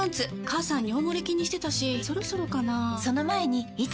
母さん尿モレ気にしてたしそろそろかな菊池）